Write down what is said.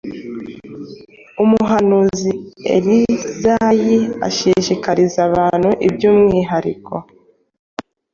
Umuhanuzi Izayi ashishikariza abantu by‟umwihariko